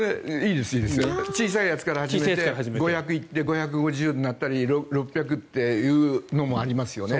小さいやつから始めて５００行って、５５０になったり６００っていうのもありますよね。